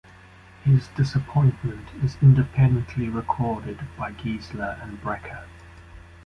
His disappointment is independently recorded by Giesler and Breker.